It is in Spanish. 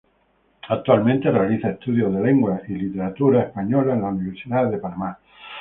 Actualmente, realiza estudios de Lengua y Literatura Española en la Universidad de Panamá.